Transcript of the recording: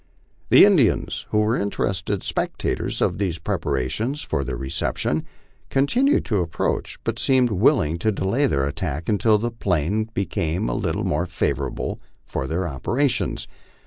The Indians, who were interested spectators of these preparations for their reception, continued to approach, but seemed willing to delay their attack until the plain became a little more favorable for their operations.